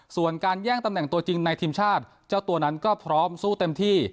ส่วนการแย่งตำแหน่งตัวจริงในทีมชาติเจ้าตัวนั้นก็พร้อมสู้เต็มที่